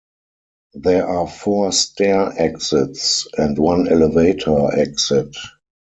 There are four stair exits and one elevator exit.